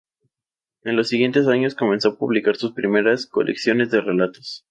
En los siguientes años, comenzó a publicar sus primeras colecciones de relatos.